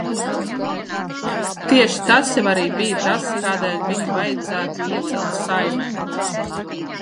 Tieši tas jau arī bija tas, kādēļ viņu vajadzētu iecelt Saeimai.